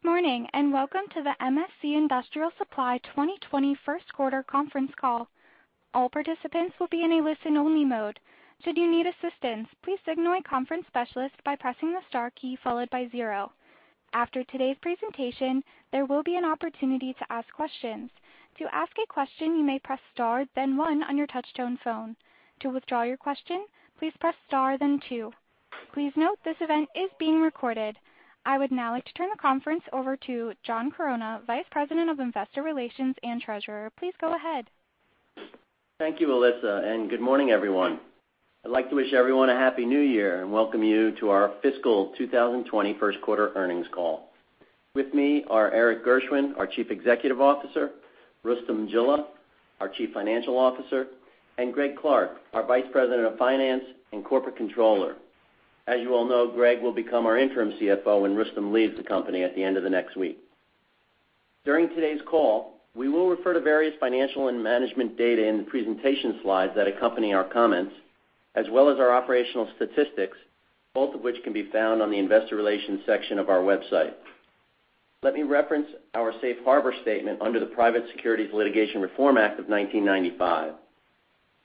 Good morning. Welcome to the MSC Industrial Direct 2020 first quarter conference call. All participants will be in a listen-only mode. Should you need assistance, please signal a conference specialist by pressing the star key, followed by zero. After today's presentation, there will be an opportunity to ask questions. To ask a question, you may press star, then one on your touch-tone phone. To withdraw your question, please press star, then two. Please note, this event is being recorded. I would now like to turn the conference over to John Chironna, Vice President of Investor Relations and Treasurer. Please go ahead. Thank you, Alyssa. Good morning, everyone. I'd like to wish everyone a Happy New Year and welcome you to our fiscal 2020 first quarter earnings call. With me are Erik Gershwind, our Chief Executive Officer, Rustom Jilla, our Chief Financial Officer, and Greg Clark, our Vice President of Finance and Corporate Controller. As you all know, Greg will become our interim CFO when Rustom leaves the company at the end of the next week. During today's call, we will refer to various financial and management data in the presentation slides that accompany our comments, as well as our operational statistics, both of which can be found on the investor relations section of our website. Let me reference our safe harbor statement under the Private Securities Litigation Reform Act of 1995.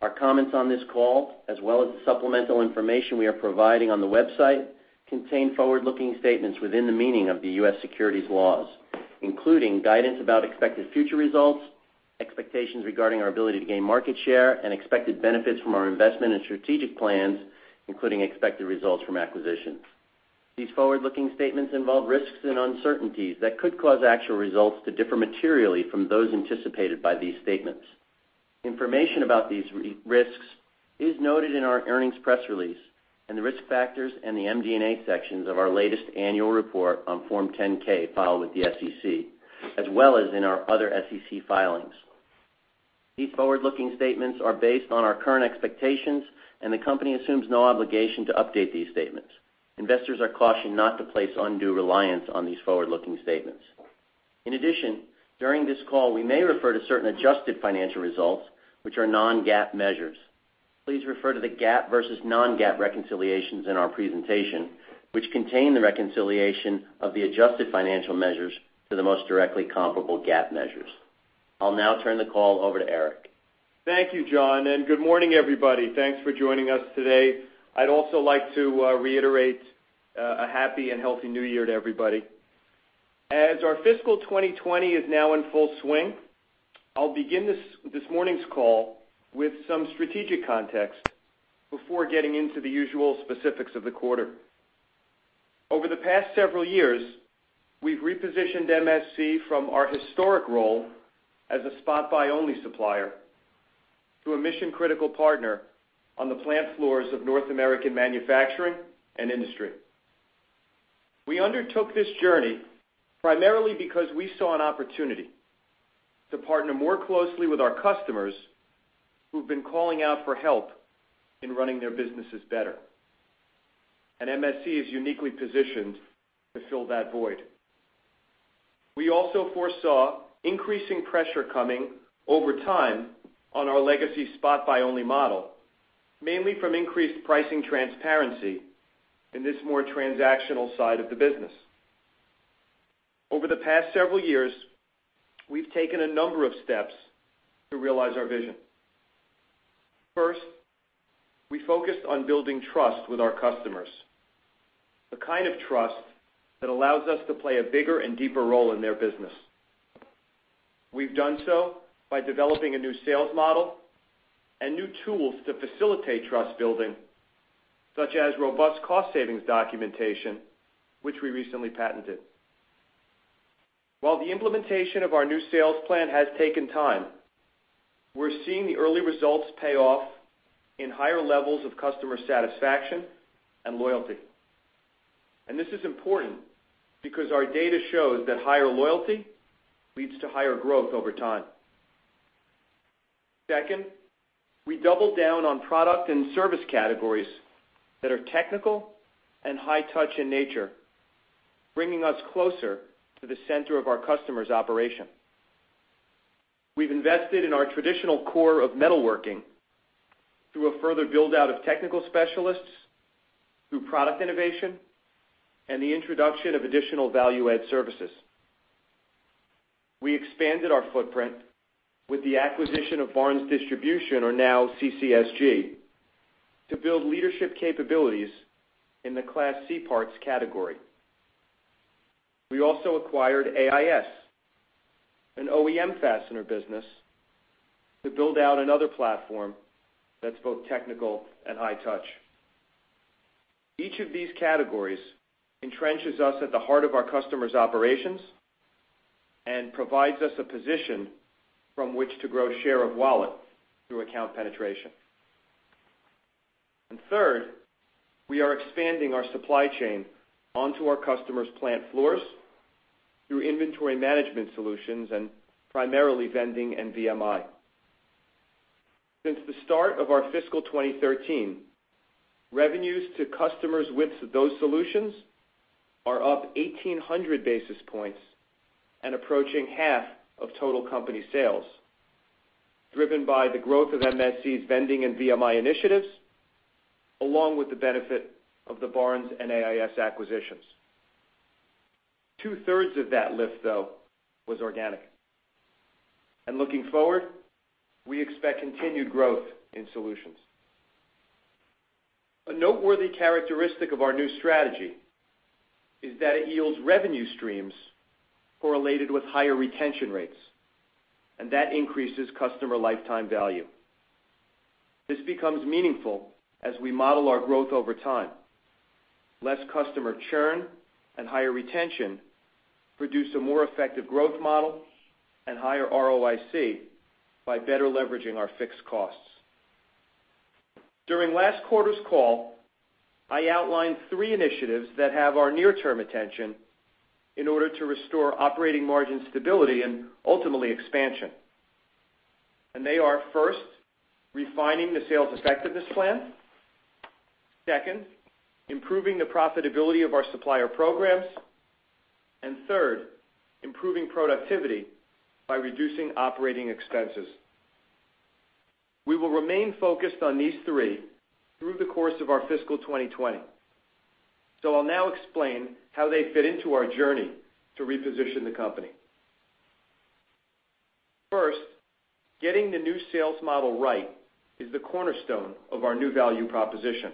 Our comments on this call, as well as the supplemental information we are providing on the website, contain forward-looking statements within the meaning of the U.S. securities laws, including guidance about expected future results, expectations regarding our ability to gain market share, and expected benefits from our investment and strategic plans, including expected results from acquisitions. These forward-looking statements involve risks and uncertainties that could cause actual results to differ materially from those anticipated by these statements. Information about these risks is noted in our earnings press release and the Risk Factors and the MD&A sections of our latest annual report on Form 10-K filed with the SEC, as well as in our other SEC filings. These forward-looking statements are based on our current expectations. The company assumes no obligation to update these statements. Investors are cautioned not to place undue reliance on these forward-looking statements. In addition, during this call, we may refer to certain adjusted financial results, which are non-GAAP measures. Please refer to the GAAP versus non-GAAP reconciliations in our presentation, which contain the reconciliation of the adjusted financial measures to the most directly comparable GAAP measures. I'll now turn the call over to Erik. Thank you, John, good morning, everybody. Thanks for joining us today. I'd also like to reiterate a happy and healthy new year to everybody. As our fiscal 2020 is now in full swing, I'll begin this morning's call with some strategic context before getting into the usual specifics of the quarter. Over the past several years, we've repositioned MSC from our historic role as a spot-buy-only supplier to a mission-critical partner on the plant floors of North American manufacturing and industry. We undertook this journey primarily because we saw an opportunity to partner more closely with our customers who've been calling out for help in running their businesses better, and MSC is uniquely positioned to fill that void. We also foresaw increasing pressure coming over time on our legacy spot-buy-only model, mainly from increased pricing transparency in this more transactional side of the business. Over the past several years, we've taken a number of steps to realize our vision. First, we focused on building trust with our customers, the kind of trust that allows us to play a bigger and deeper role in their business. We've done so by developing a new sales model and new tools to facilitate trust building, such as robust cost savings documentation, which we recently patented. While the implementation of our new sales plan has taken time, we're seeing the early results pay off in higher levels of customer satisfaction and loyalty. This is important because our data shows that higher loyalty leads to higher growth over time. Second, we doubled down on product and service categories that are technical and high touch in nature, bringing us closer to the center of our customers' operation. We've invested in our traditional core of metalworking through a further build-out of technical specialists, through product innovation, and the introduction of additional value-add services. We expanded our footprint with the acquisition of Barnes Distribution, or now CCSG, to build leadership capabilities in the Class C parts category. We also acquired AIS, an OEM fastener business, to build out another platform that's both technical and high touch. Each of these categories entrenches us at the heart of our customers' operations and provides us a position from which to grow share of wallet through account penetration. Third, we are expanding our supply chain onto our customers' plant floors through inventory management solutions and primarily vending and VMI. Since the start of our fiscal 2013, revenues to customers with those solutions are up 1,800 basis points and approaching half of total company sales, driven by the growth of MSC's vending and VMI initiatives, along with the benefit of the Barnes and AIS acquisitions. Two-thirds of that lift, though, was organic. Looking forward, we expect continued growth in solutions. A noteworthy characteristic of our new strategy is that it yields revenue streams correlated with higher retention rates, and that increases customer lifetime value. This becomes meaningful as we model our growth over time. Less customer churn and higher retention produce a more effective growth model and higher ROIC by better leveraging our fixed costs. During last quarter's call, I outlined three initiatives that have our near-term attention in order to restore operating margin stability and ultimately expansion. They are, first, refining the sales effectiveness plan. Second, improving the profitability of our supplier programs. Third, improving productivity by reducing operating expenses. We will remain focused on these three through the course of our fiscal 2020. I'll now explain how they fit into our journey to reposition the company. First, getting the new sales model right is the cornerstone of our new value proposition.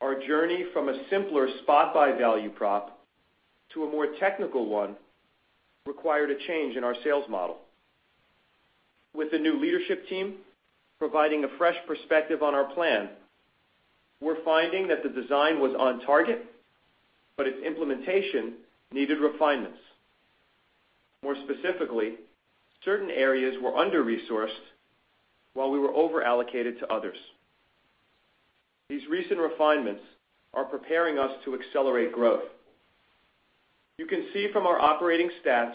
Our journey from a simpler spot buy value prop to a more technical one required a change in our sales model. With the new leadership team providing a fresh perspective on our plan, we're finding that the design was on target, but its implementation needed refinements. More specifically, certain areas were under-resourced while we were over-allocated to others. These recent refinements are preparing us to accelerate growth. You can see from our operating stats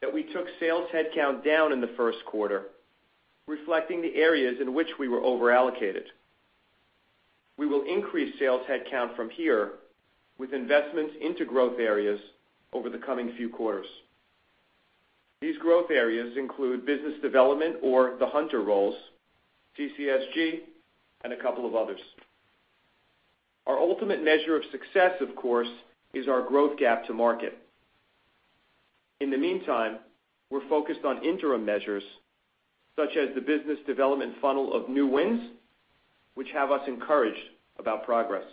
that we took sales headcount down in the first quarter, reflecting the areas in which we were over-allocated. We will increase sales headcount from here with investments into growth areas over the coming few quarters. These growth areas include business development or the hunter roles, CCSG, and a couple of others. Our ultimate measure of success, of course, is our growth gap to market. In the meantime, we're focused on interim measures such as the business development funnel of new wins, which have us encouraged about progress.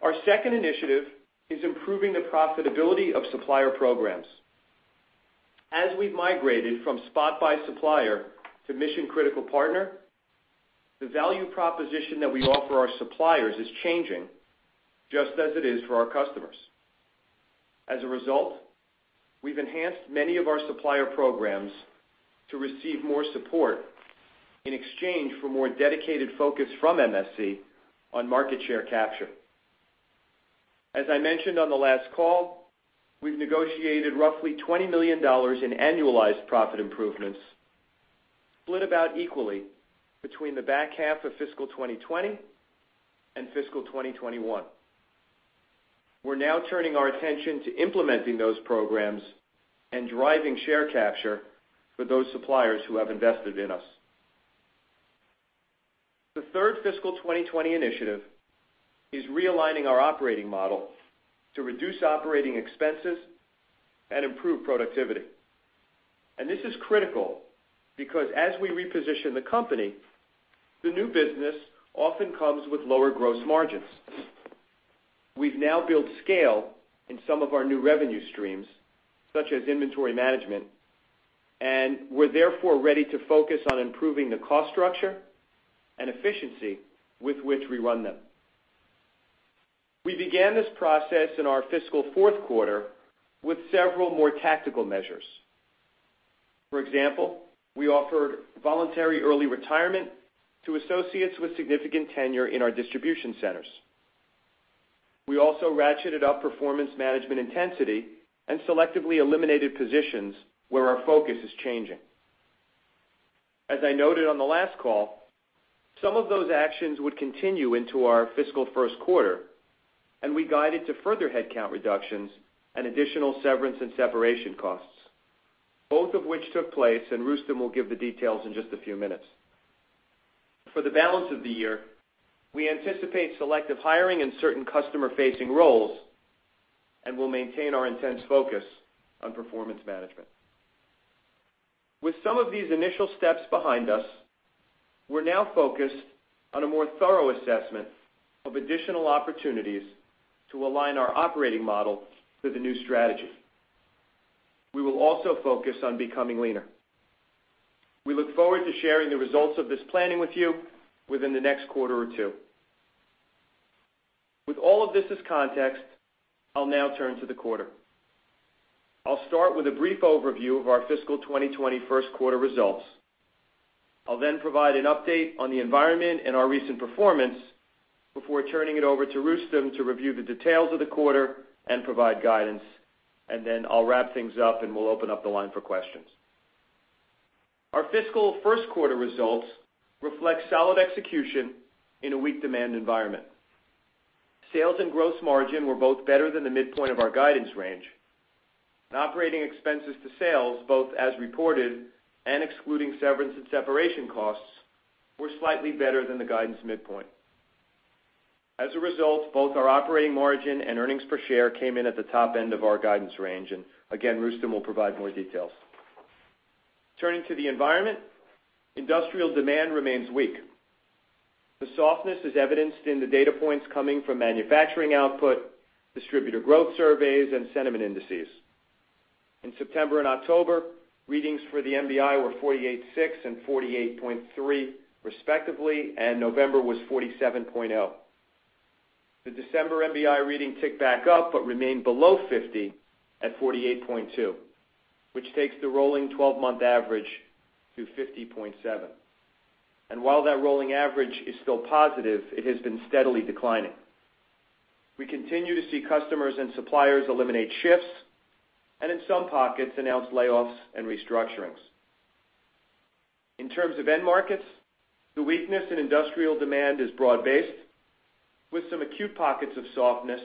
Our second initiative is improving the profitability of supplier programs. As we've migrated from spot buy supplier to mission-critical partner, the value proposition that we offer our suppliers is changing just as it is for our customers. As a result, we've enhanced many of our supplier programs to receive more support in exchange for more dedicated focus from MSC on market share capture. As I mentioned on the last call, we've negotiated roughly $20 million in annualized profit improvements, split about equally between the back half of fiscal 2020 and fiscal 2021. We're now turning our attention to implementing those programs and driving share capture for those suppliers who have invested in us. The third fiscal 2020 initiative is realigning our operating model to reduce operating expenses and improve productivity. This is critical because as we reposition the company, the new business often comes with lower gross margins. We've now built scale in some of our new revenue streams, such as inventory management, and we're therefore ready to focus on improving the cost structure and efficiency with which we run them. We began this process in our fiscal fourth quarter with several more tactical measures. For example, we offered voluntary early retirement to associates with significant tenure in our distribution centers. We also ratcheted up performance management intensity and selectively eliminated positions where our focus is changing. As I noted on the last call, some of those actions would continue into our fiscal first quarter, and we guided to further headcount reductions and additional severance and separation costs, both of which took place, and Rustom will give the details in just a few minutes. For the balance of the year, we anticipate selective hiring in certain customer-facing roles and will maintain our intense focus on performance management. With some of these initial steps behind us, we're now focused on a more thorough assessment of additional opportunities to align our operating model with the new strategy. We will also focus on becoming leaner. We look forward to sharing the results of this planning with you within the next quarter or two. With all of this as context, I'll now turn to the quarter. I'll start with a brief overview of our fiscal 2020 first quarter results. I'll then provide an update on the environment and our recent performance before turning it over to Rustom to review the details of the quarter and provide guidance, and then I'll wrap things up, and we'll open up the line for questions. Our fiscal first quarter results reflect solid execution in a weak demand environment. Sales and gross margin were both better than the midpoint of our guidance range. Operating expenses to sales, both as reported and excluding severance and separation costs, were slightly better than the guidance midpoint. As a result, both our operating margin and earnings per share came in at the top end of our guidance range, and again, Rustom will provide more details. Turning to the environment, industrial demand remains weak. The softness is evidenced in the data points coming from manufacturing output, distributor growth surveys, and sentiment indices. In September and October, readings for the MBI were 48.6 and 48.3 respectively, and November was 47.0. The December MBI reading ticked back up but remained below 50 at 48.2, which takes the rolling 12-month average to 50.7. While that rolling average is still positive, it has been steadily declining. We continue to see customers and suppliers eliminate shifts, and in some pockets, announce layoffs and restructurings. In terms of end markets, the weakness in industrial demand is broad-based, with some acute pockets of softness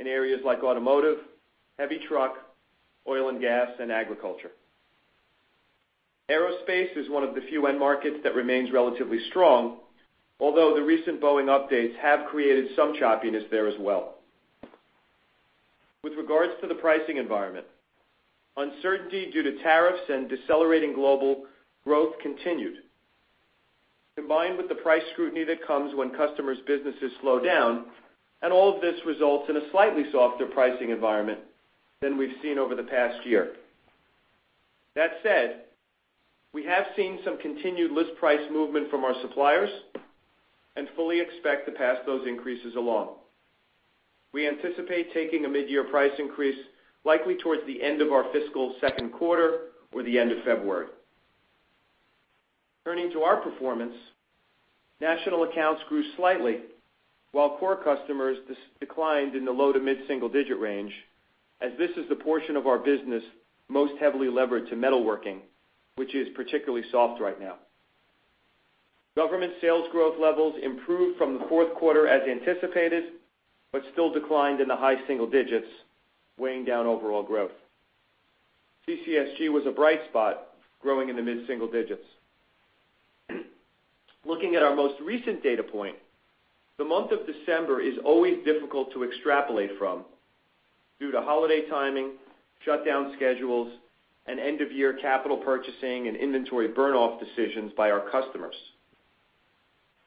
in areas like automotive, heavy truck, oil and gas, and agriculture. Aerospace is one of the few end markets that remains relatively strong, although the recent Boeing updates have created some choppiness there as well. With regards to the pricing environment, uncertainty due to tariffs and decelerating global growth continued. Combined with the price scrutiny that comes when customers' businesses slow down, and all of this results in a slightly softer pricing environment than we've seen over the past year. That said, we have seen some continued list price movement from our suppliers and fully expect to pass those increases along. We anticipate taking a mid-year price increase likely towards the end of our fiscal second quarter or the end of February. Turning to our performance, national accounts grew slightly, while core customers declined in the low to mid-single digit range, as this is the portion of our business most heavily levered to metalworking, which is particularly soft right now. Government sales growth levels improved from the fourth quarter as anticipated, but still declined in the high single digits, weighing down overall growth. CCSG was a bright spot, growing in the mid-single digits. Looking at our most recent data point, the month of December is always difficult to extrapolate from due to holiday timing, shutdown schedules, and end-of-year capital purchasing and inventory burn-off decisions by our customers.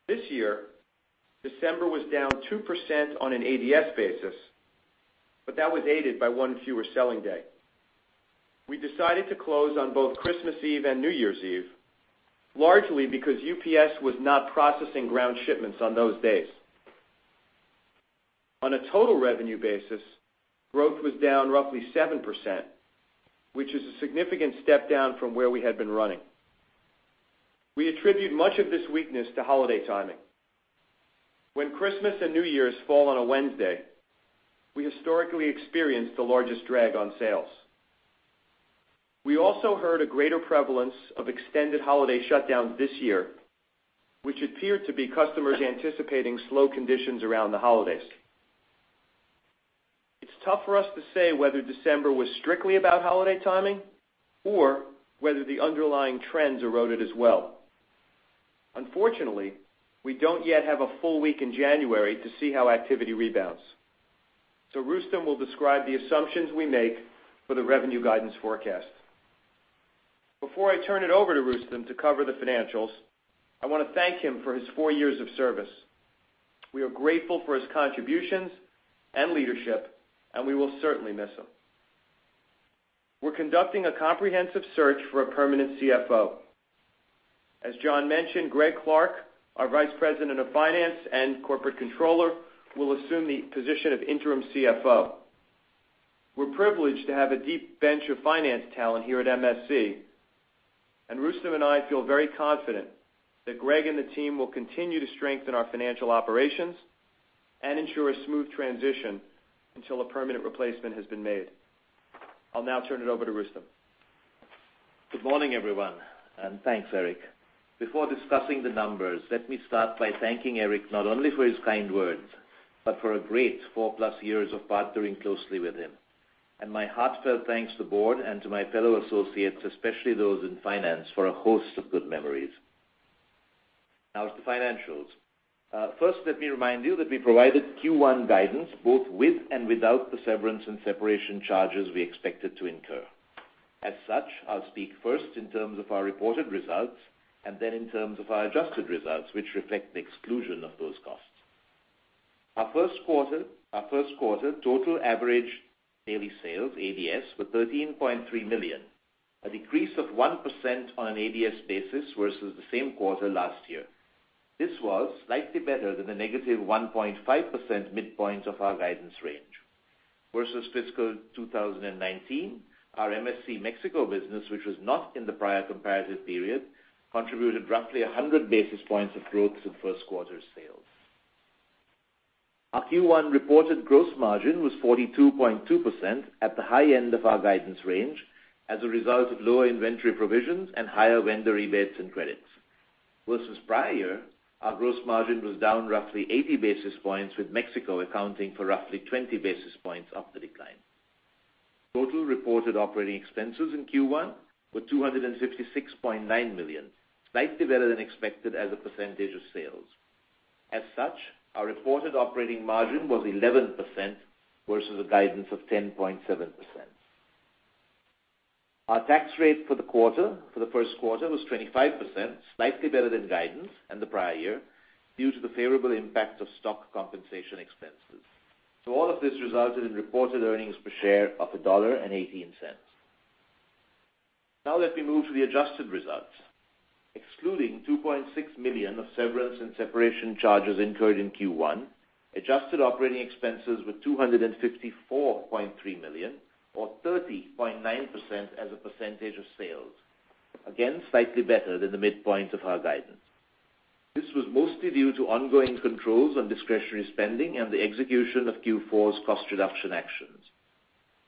This year, December was down 2% on an ADS basis, but that was aided by one fewer selling day. We decided to close on both Christmas Eve and New Year's Eve, largely because UPS was not processing ground shipments on those days. On a total revenue basis, growth was down roughly 7%, which is a significant step down from where we had been running. We attribute much of this weakness to holiday timing. When Christmas and New Year's fall on a Wednesday, we historically experience the largest drag on sales. We also heard a greater prevalence of extended holiday shutdowns this year, which appeared to be customers anticipating slow conditions around the holidays. It's tough for us to say whether December was strictly about holiday timing or whether the underlying trends eroded as well. Unfortunately, we don't yet have a full week in January to see how activity rebounds. Rustom will describe the assumptions we make for the revenue guidance forecast. Before I turn it over to Rustom to cover the financials, I want to thank him for his four years of service. We are grateful for his contributions and leadership, and we will certainly miss him. We're conducting a comprehensive search for a permanent CFO. As John mentioned, Greg Clark, our Vice President of Finance and Corporate Controller, will assume the position of interim CFO. We're privileged to have a deep bench of finance talent here at MSC, and Rustom and I feel very confident that Greg and the team will continue to strengthen our financial operations and ensure a smooth transition until a permanent replacement has been made. I'll now turn it over to Rustom. Good morning, everyone. Thanks, Erik. Before discussing the numbers, let me start by thanking Erik, not only for his kind words, but for a great four-plus years of partnering closely with him. My heartfelt thanks to the board and to my fellow associates, especially those in finance, for a host of good memories. As to financials. Let me remind you that we provided Q1 guidance both with and without the severance and separation charges we expected to incur. As such, I'll speak first in terms of our reported results and then in terms of our adjusted results, which reflect the exclusion of those costs. Our first quarter total average daily sales, ADS, was $13.3 million, a decrease of 1% on an ADS basis versus the same quarter last year. This was slightly better than the negative 1.5% midpoint of our guidance range. Versus fiscal 2019, our MSC Mexico business, which was not in the prior comparative period, contributed roughly 100 basis points of growth to first quarter sales. Our Q1 reported gross margin was 42.2% at the high end of our guidance range as a result of lower inventory provisions and higher vendor rebates and credits. Versus prior year, our gross margin was down roughly 80 basis points, with Mexico accounting for roughly 20 basis points of the decline. Total reported operating expenses in Q1 were $256.9 million, slightly better than expected as a percentage of sales. As such, our reported operating margin was 11% versus a guidance of 10.7%. Our tax rate for the first quarter was 25%, slightly better than guidance and the prior year, due to the favorable impact of stock compensation expenses. All of this resulted in reported earnings per share of $1.18. Now let me move to the adjusted results. Excluding $2.6 million of severance and separation charges incurred in Q1, adjusted operating expenses were $254.3 million or 30.9% as a percentage of sales. Again, slightly better than the midpoint of our guidance. This was mostly due to ongoing controls on discretionary spending and the execution of Q4's cost reduction actions.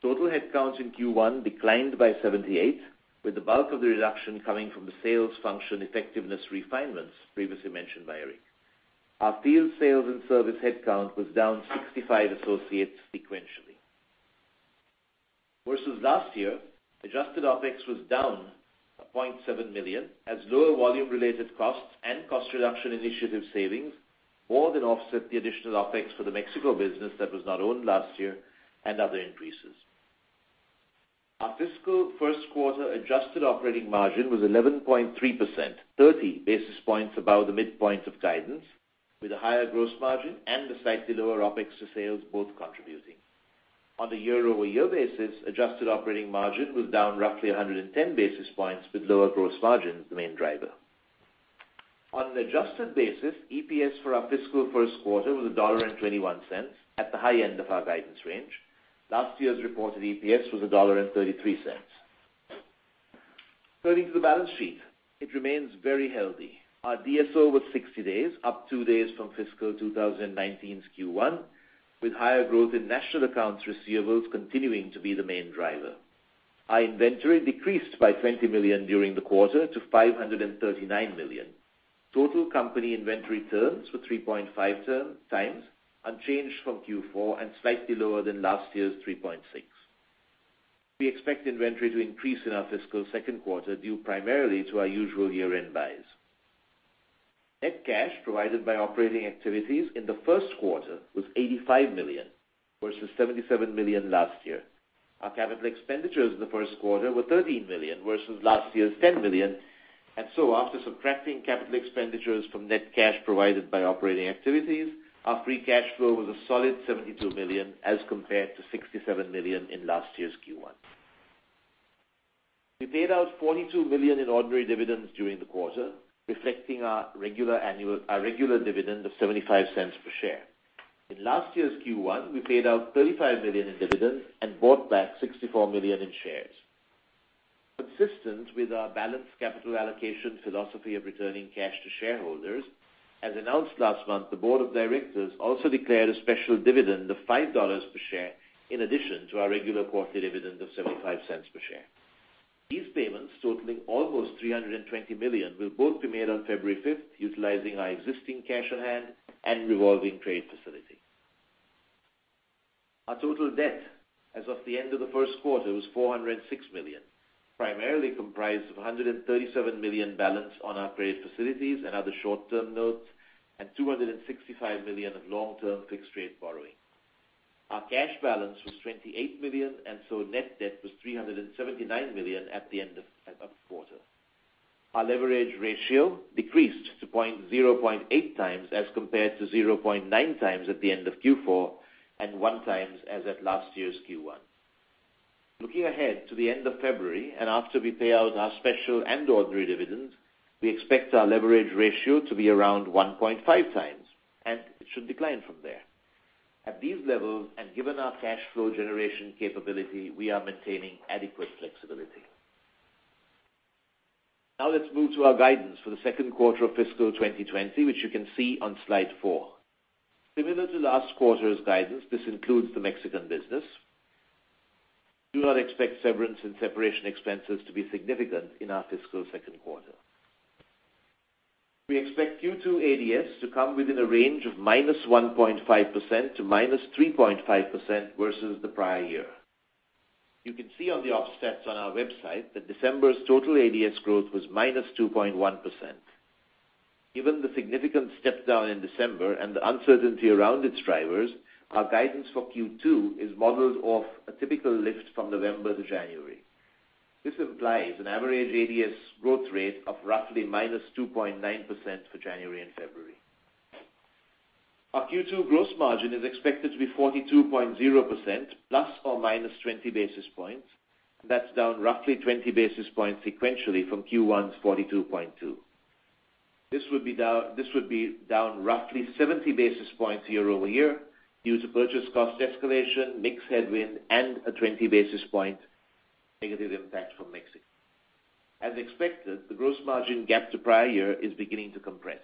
Total headcounts in Q1 declined by 78, with the bulk of the reduction coming from the sales function effectiveness refinements previously mentioned by Erik. Our field sales and service headcount was down 65 associates sequentially. Versus last year, adjusted OpEx was down $0.7 million as lower volume related costs and cost reduction initiative savings more than offset the additional OpEx for the Mexico business that was not owned last year and other increases. Our fiscal first quarter adjusted operating margin was 11.3%, 30 basis points above the midpoint of guidance with a higher gross margin and the slightly lower OpEx to sales both contributing. On a year-over-year basis, adjusted operating margin was down roughly 110 basis points with lower gross margin as the main driver. On an adjusted basis, EPS for our fiscal first quarter was $1.21 at the high end of our guidance range. Last year's reported EPS was $1.33. Turning to the balance sheet, it remains very healthy. Our DSO was 60 days, up two days from fiscal 2019's Q1, with higher growth in national accounts receivables continuing to be the main driver. Our inventory decreased by $20 million during the quarter to $539 million. Total company inventory turns were 3.5 times, unchanged from Q4 and slightly lower than last year's 3.6. We expect inventory to increase in our fiscal second quarter due primarily to our usual year-end buys. Net cash provided by operating activities in the first quarter was $85 million versus $77 million last year. Our capital expenditures in the first quarter were $13 million versus last year's $10 million, and so after subtracting capital expenditures from net cash provided by operating activities, our free cash flow was a solid $72 million as compared to $67 million in last year's Q1. We paid out $42 million in ordinary dividends during the quarter, reflecting our regular dividend of $0.75 per share. In last year's Q1, we paid out $35 million in dividends and bought back $64 million in shares. Consistent with our balanced capital allocation philosophy of returning cash to shareholders, as announced last month, the board of directors also declared a special dividend of $5 per share in addition to our regular quarterly dividend of $0.75 per share. These payments totaling almost $320 million will both be made on February 5th, utilizing our existing cash on hand and revolving trade facility. Our total debt as of the end of the first quarter was $406 million, primarily comprised of $137 million balance on our credit facilities and other short-term notes, and $265 million of long-term fixed rate borrowing. Our cash balance was $28 million, net debt was $379 million at the end of the quarter. Our leverage ratio decreased to 0.8 times as compared to 0.9 times at the end of Q4 and 1 times as at last year's Q1. Looking ahead to the end of February and after we pay out our special and ordinary dividends, we expect our leverage ratio to be around 1.5 times, and it should decline from there. At these levels and given our cash flow generation capability, we are maintaining adequate flexibility. Now let's move to our guidance for the second quarter of fiscal 2020, which you can see on slide four. Similar to last quarter's guidance, this includes the MSC Mexico. We do not expect severance and separation expenses to be significant in our fiscal second quarter. We expect Q2 ADS to come within a range of -1.5% to -3.5% versus the prior year. You can see on the ops stats on our website that December's total ADS growth was -2.1%. Given the significant step down in December and the uncertainty around its drivers, our guidance for Q2 is modeled off a typical lift from November to January. This implies an average ADS growth rate of roughly -2.9% for January and February. Our Q2 gross margin is expected to be 42.0% ±20 basis points. That's down roughly 20 basis points sequentially from Q1's 42.2%. This would be down roughly 70 basis points year-over-year due to purchase cost escalation, mix headwind, and a 20 basis point negative impact from Mexico. As expected, the gross margin gap to prior year is beginning to compress.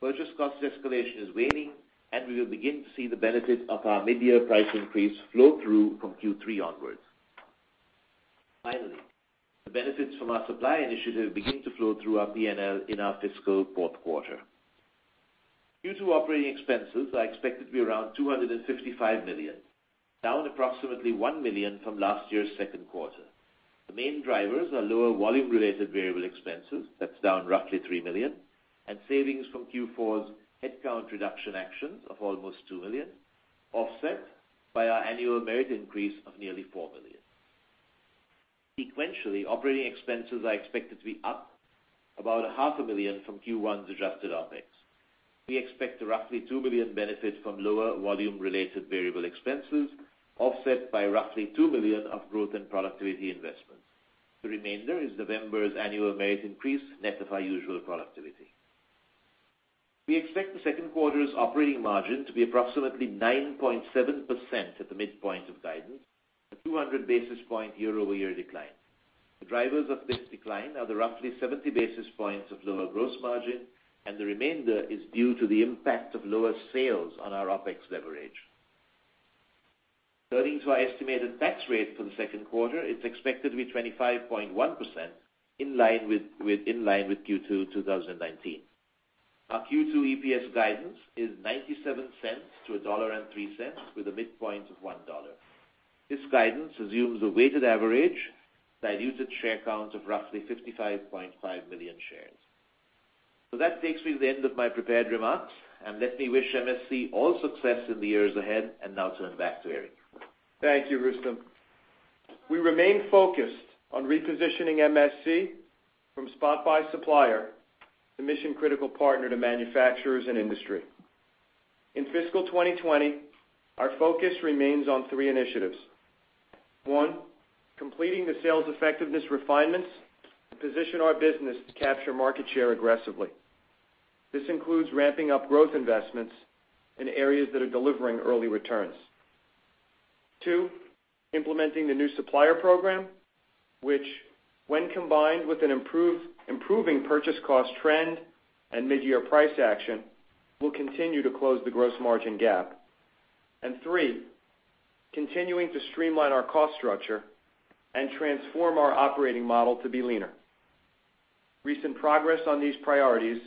Purchase cost escalation is waning, and we will begin to see the benefit of our mid-year price increase flow through from Q3 onwards. Finally, the benefits from our supply initiative begin to flow through our P&L in our fiscal fourth quarter. Q2 operating expenses are expected to be around $255 million, down approximately $1 million from last year's second quarter. The main drivers are lower volume-related variable expenses. That's down roughly $3 million, and savings from Q4's headcount reduction actions of almost $2 million, offset by our annual merit increase of nearly $4 million. Sequentially, operating expenses are expected to be up about a half a million from Q1's adjusted OpEx. We expect a roughly $2 million benefit from lower volume-related variable expenses, offset by roughly $2 million of growth and productivity investments. The remainder is November's annual merit increase, net of our usual productivity. We expect the second quarter's operating margin to be approximately 9.7% at the midpoint of guidance, a 200-basis point year-over-year decline. The drivers of this decline are the roughly 70 basis points of lower gross margin, and the remainder is due to the impact of lower sales on our OpEx leverage. Turning to our estimated tax rate for the second quarter, it's expected to be 25.1%, in line with Q2 2019. Our Q2 EPS guidance is $0.97 to $1.03, with a midpoint of $1. This guidance assumes a weighted average diluted share count of roughly 55.5 million shares. That takes me to the end of my prepared remarks. Let me wish MSC all success in the years ahead, and now turn back to Erik. Thank you, Rustom. We remain focused on repositioning MSC from spot buy supplier to mission-critical partner to manufacturers and industry. In fiscal 2020, our focus remains on three initiatives. One, completing the sales effectiveness refinements to position our business to capture market share aggressively. This includes ramping up growth investments in areas that are delivering early returns. Two, implementing the new supplier program, which, when combined with an improving purchase cost trend and mid-year price action, will continue to close the gross margin gap. Three, continuing to streamline our cost structure and transform our operating model to be leaner. Recent progress on these priorities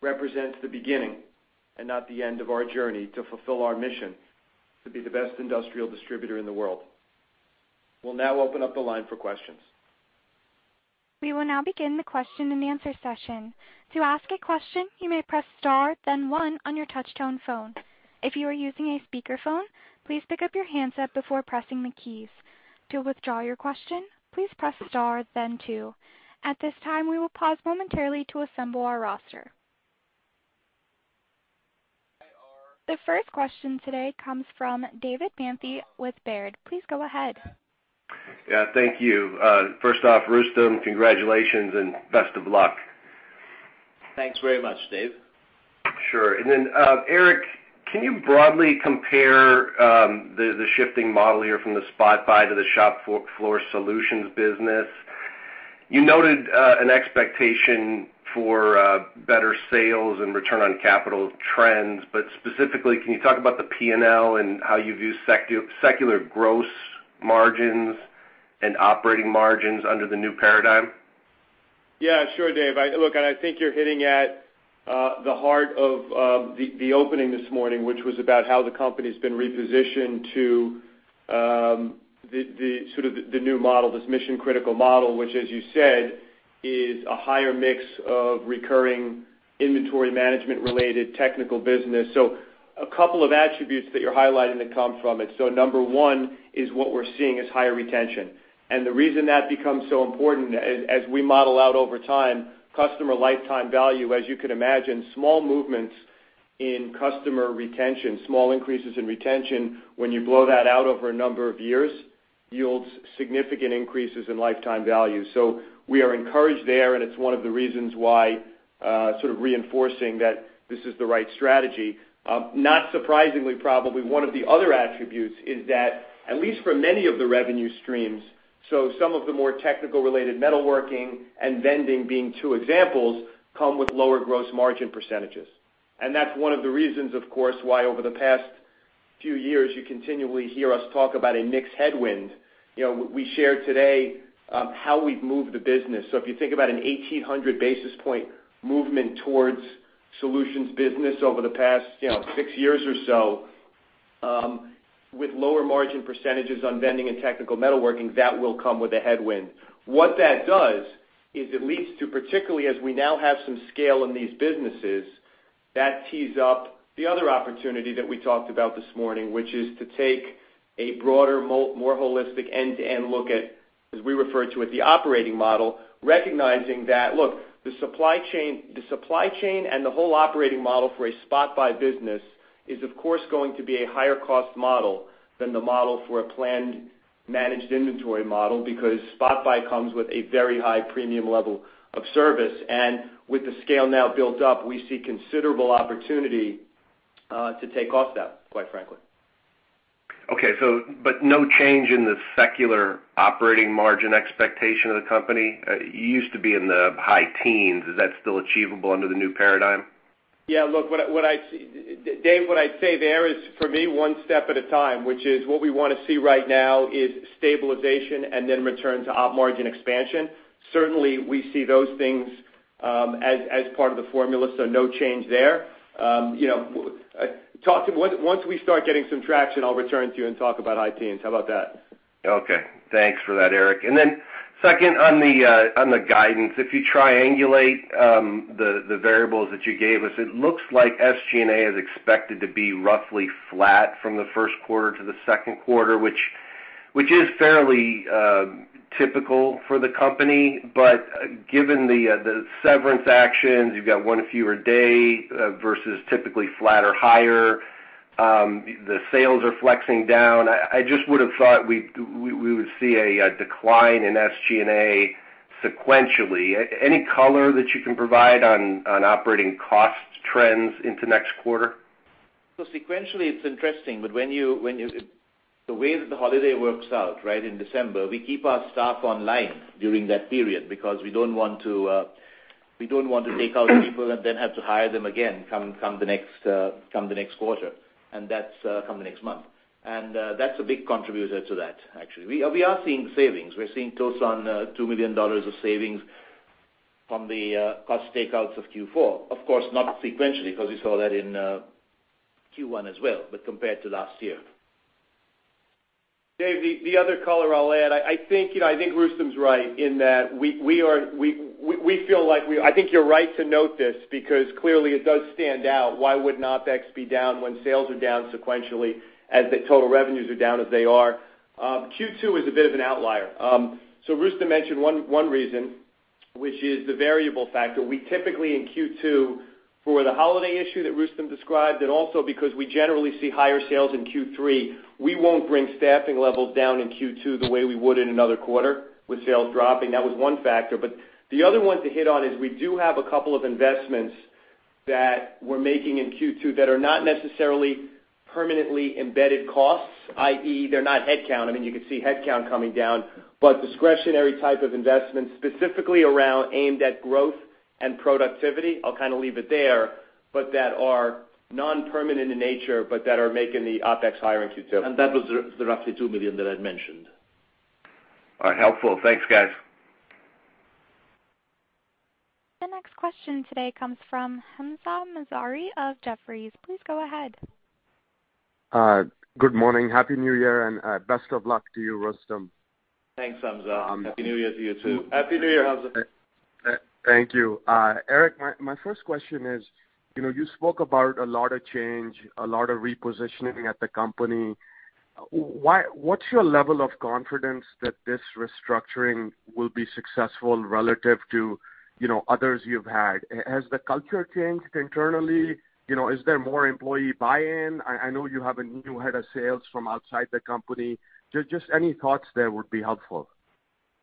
represents the beginning and not the end of our journey to fulfill our mission to be the best industrial distributor in the world. We'll now open up the line for questions. We will now begin the question-and-answer session. To ask a question, you may press star, then one on your touch-tone phone. If you are using a speakerphone, please pick up your handset before pressing the keys. To withdraw your question, please press star, then two. At this time, we will pause momentarily to assemble our roster. The first question today comes from David Manthey with Baird. Please go ahead. Yeah, thank you. First off, Rustom, congratulations and best of luck. Thanks very much, Dave. Sure. Erik, can you broadly compare the shifting model here from the spot buy to the shop floor solutions business? You noted an expectation for better sales and return on capital trends. Specifically, can you talk about the P&L and how you view secular gross margins and operating margins under the new paradigm? Sure, David. Look, I think you're hitting at the heart of the opening this morning, which was about how the company's been repositioned to the new model, this mission-critical model, which, as you said, is a higher mix of recurring inventory management-related technical business. A couple of attributes that you're highlighting that come from it. Number one is what we're seeing is higher retention. The reason that becomes so important as we model out over time customer lifetime value, as you can imagine, small movements in customer retention, small increases in retention, when you blow that out over a number of years, yields significant increases in lifetime value. We are encouraged there, and it's one of the reasons why sort of reinforcing that this is the right strategy. Not surprisingly, probably one of the other attributes is that at least for many of the revenue streams, some of the more technical-related metalworking and vending being two examples, come with lower gross margin %. That's one of the reasons, of course, why over the past few years, you continually hear us talk about a mix headwind. We shared today how we've moved the business. If you think about an 1,800-basis point movement towards solutions business over the past six years or so with lower margin % on vending and technical metalworking, that will come with a headwind. What that does is it leads to, particularly as we now have some scale in these businesses, that tees up the other opportunity that we talked about this morning, which is to take a broader, more holistic end-to-end look at, as we refer to it, the operating model, recognizing that, look, the supply chain and the whole operating model for a spot buy business is, of course, going to be a higher cost model than the model for a planned managed inventory model because spot buy comes with a very high premium level of service. With the scale now built up, we see considerable opportunity to take cost out, quite frankly. Okay. No change in the secular operating margin expectation of the company? You used to be in the high teens. Is that still achievable under the new paradigm? Look, Dave, what I'd say there is for me, one step at a time, which is what we want to see right now is stabilization and then return to op margin expansion. Certainly, we see those things as part of the formula, so no change there. Once we start getting some traction, I'll return to you and talk about high teens. How about that? Okay. Thanks for that, Erik. Then second on the guidance, if you triangulate the variables that you gave us, it looks like SG&A is expected to be roughly flat from the first quarter to the second quarter, which is fairly typical for the company. Given the severance actions, you've got one fewer day versus typically flat or higher. The sales are flexing down. I just would've thought we would see a decline in SG&A sequentially. Any color that you can provide on operating cost trends into next quarter? Sequentially, it's interesting. The way that the holiday works out, in December, we keep our staff online during that period because we don't want to take out people and then have to hire them again come the next month. That's a big contributor to that, actually. We are seeing savings. We're seeing close on $2 million of savings from the cost takeouts of Q4. Of course, not sequentially because we saw that in Q1 as well, but compared to last year. Dave, the other color I'll add, I think Rustom's right in that I think you're right to note this because clearly it does stand out. Why wouldn't OpEx be down when sales are down sequentially as the total revenues are down as they are? Q2 is a bit of an outlier. Rustom mentioned one reason, which is the variable factor. We typically in Q2 for the holiday issue that Rustom described, and also because we generally see higher sales in Q3, we won't bring staffing levels down in Q2 the way we would in another quarter with sales dropping. That was one factor. The other one to hit on is we do have a couple of investments that we're making in Q2 that are not necessarily permanently embedded costs, i.e., they're not headcount. I mean, you could see headcount coming down, but discretionary type of investments specifically around aimed at growth and productivity, I'll kind of leave it there, but that are non-permanent in nature, but that are making the OpEx higher in Q2. That was the roughly $2 million that I'd mentioned. All right, helpful. Thanks, guys. The next question today comes from Hamzah Mazari of Jefferies. Please go ahead. Good morning. Happy New Year, and best of luck to you, Rustom. Thanks, Hamzah. Happy New Year to you, too. Happy New Year, Hamzah. Thank you. Erik, my first question is, you spoke about a lot of change, a lot of repositioning at the company. What's your level of confidence that this restructuring will be successful relative to others you've had? Has the culture changed internally? Is there more employee buy-in? I know you have a new head of sales from outside the company. Just any thoughts there would be helpful.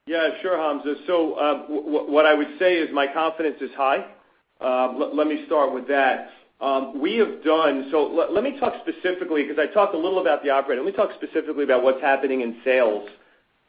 Yeah, sure, Hamzah. What I would say is my confidence is high. Let me start with that. Let me talk specifically because I talked a little about the operating. Let me talk specifically about what's happening in sales,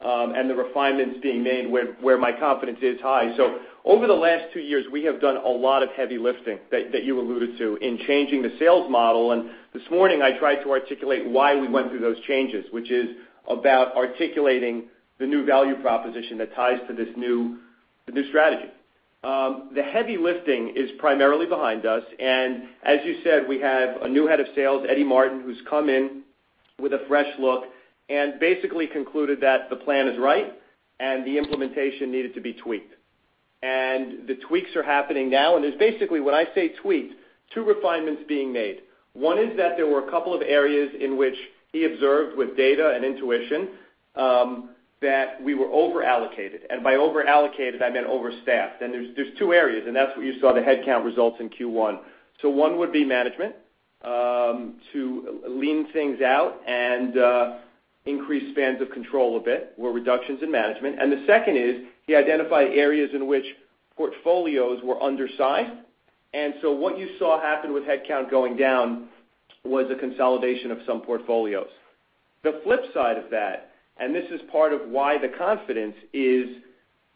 and the refinements being made where my confidence is high. Over the last two years, we have done a lot of heavy lifting that you alluded to in changing the sales model, and this morning I tried to articulate why we went through those changes, which is about articulating the new value proposition that ties to this new strategy. The heavy lifting is primarily behind us, and as you said, we have a new Head of Sales, Edward Martin, who's come in with a fresh look and basically concluded that the plan is right and the implementation needed to be tweaked. The tweaks are happening now, there's basically, when I say tweaked, two refinements being made. One is that there were a couple of areas in which he observed with data and intuition, that we were over-allocated. By over-allocated, I meant overstaffed. There's two areas, that's where you saw the headcount results in Q1. One would be management, to lean things out and increase spans of control a bit, where reductions in management. The second is he identified areas in which portfolios were undersized. What you saw happen with headcount going down was a consolidation of some portfolios. The flip side of that, and this is part of why the confidence is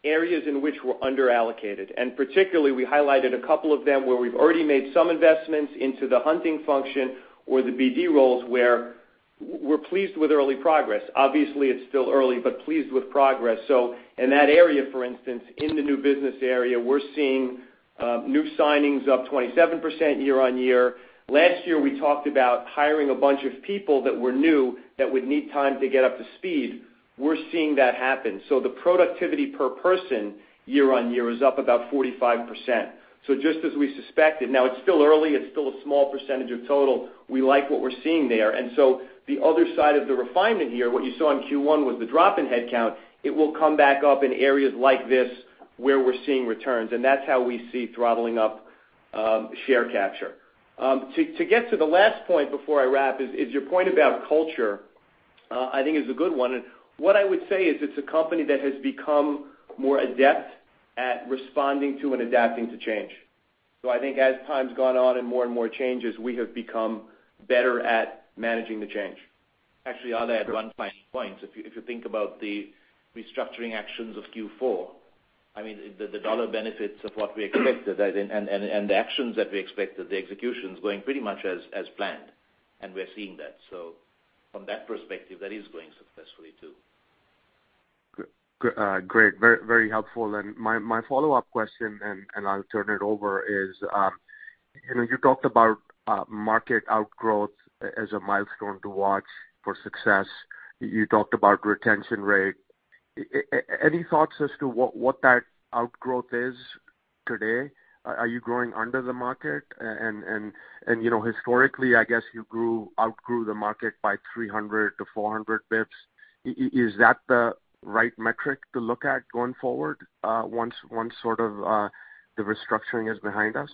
areas in which we're under-allocated. Particularly, we highlighted a couple of them where we've already made some investments into the hunting function or the BD roles where we're pleased with early progress. Obviously, it's still early, but pleased with progress. In that area, for instance, in the new business area, we're seeing new signings up 27% year-on-year. Last year, we talked about hiring a bunch of people that were new that would need time to get up to speed. We're seeing that happen. The productivity per person year-on-year is up about 45%. Just as we suspected. It's still early, it's still a small percentage of total. We like what we're seeing there. The other side of the refinement here, what you saw in Q1 was the drop in headcount. It will come back up in areas like this where we're seeing returns, and that's how we see throttling up share capture. To get to the last point before I wrap is your point about culture, I think is a good one. What I would say is it's a company that has become more adept at responding to and adapting to change. I think as time's gone on and more and more changes, we have become better at managing the change. Actually, I'll add one final point. If you think about the restructuring actions of Q4, the dollar benefits of what we expected and the actions that we expected, the execution's going pretty much as planned, and we're seeing that. From that perspective, that is going successfully, too. Great. Very helpful. My follow-up question, and I'll turn it over, is you talked about market outgrowth as a milestone to watch for success. You talked about retention rate. Any thoughts as to what that outgrowth is today? Are you growing under the market? Historically, I guess you outgrew the market by 300 to 400 bps. Is that the right metric to look at going forward once sort of the restructuring is behind us?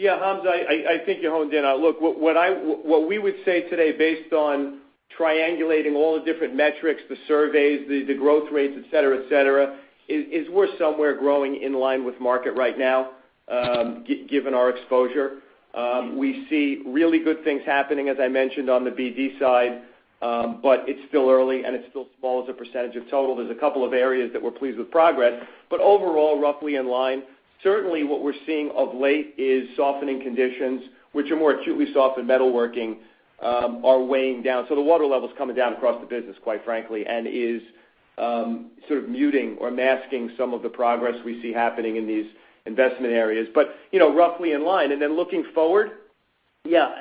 Hamzah, I think you honed in on it. Look, what we would say today based on triangulating all the different metrics, the surveys, the growth rates, et cetera, is we're somewhere growing in line with market right now given our exposure. We see really good things happening, as I mentioned, on the BD side, but it's still early, and it's still small as a percentage of total. There's a couple of areas that we're pleased with progress, but overall, roughly in line. Certainly what we're seeing of late is softening conditions, which are more acutely soft in metalworking, are weighing down. The water level's coming down across the business, quite frankly, and is sort of muting or masking some of the progress we see happening in these investment areas, but roughly in line. Looking forward, yeah,